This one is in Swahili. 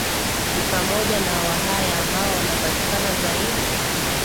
ni pamoja na Wahaya ambao wanapatikana zaidi